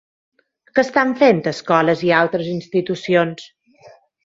Què estan fent escoles i altres institucions?